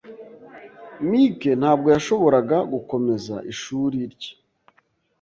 Mike ntabwo yashoboraga gukomeza ishuri rye